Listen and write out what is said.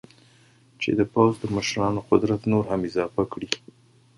چې د پوځ د مشرانو قدرت نور هم اضافه کړي.